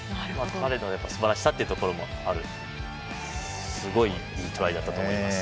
彼のすばらしさというところもあるすごいいいトライだったと思います。